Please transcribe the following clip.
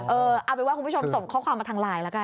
เอาเป็นว่าคุณผู้ชมส่งข้อความมาทางไลน์แล้วกัน